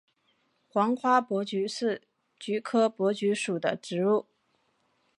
黄花珀菊是菊科珀菊属的植物。